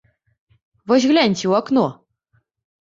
Вось гляньце ў акно!